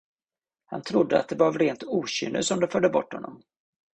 Han trodde, att det var av rent okynne, som de förde bort honom.